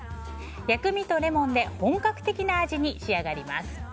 薬味とレモンで本格的な味に仕上がります。